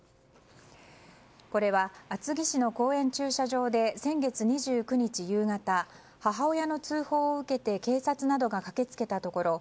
これは厚木市の公園駐車場で先月２９日夕方母親の通報を受けて警察などが駆け付けたところ